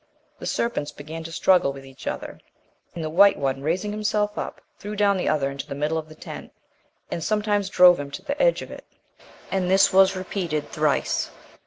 The serpents began to struggle with each other; and the white one, raising himself up, threw down the other into the middle of the tent, and sometimes drove him to the edge of it; and this was repeated thrice.